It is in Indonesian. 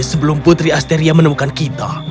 sebelum putri asteria menemukan kita